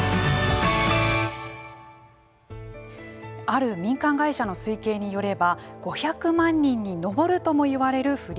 ある民間会社の推計によれば５００万人に上るともいわれるフリーランス。